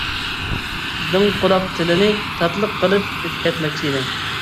دىڭ قۇلاق تىلىنى تاتلىق قىلىپ ئۆتۈپ كەتمەكچى ئىدى.